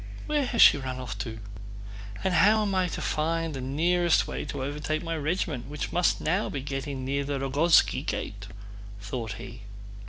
Where has she run off to? And how am I to find the nearest way to overtake my regiment, which must by now be getting near the Rogózhski gate?" thought he.